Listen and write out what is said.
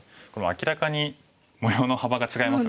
明らかに模様の幅が違いますよね。